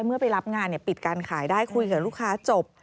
ไปรับงานปิดการขายได้คุยกับลูกค้าจบ